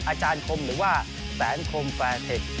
อาจารย์คมหรือว่าแสนคมแฟร์เทค